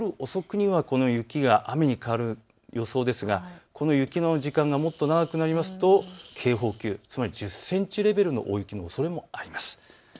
そして夜遅くにはこの雪が雨に変わる予想ですが、この雪の時間がもっと長くなると警報級、つまり１０センチレベルの大雪のおそれもあります。